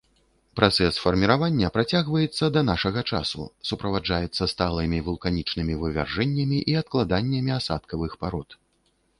Працэс фарміравання працягваецца да нашага часу, суправаджаецца сталымі вулканічнымі вывяржэннямі і адкладаннямі асадкавых парод.